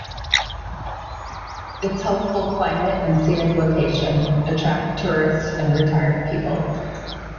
Its healthful climate and scenic location attract tourists and retired people.